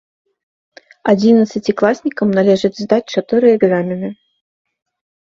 Адзінаццацікласнікам належыць здаць чатыры экзамены.